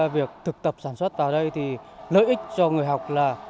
việc thực tập sản xuất vào đây thì lợi ích cho người học là